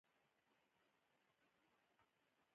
کوترې په لنډ وخت کې تربيه شوې.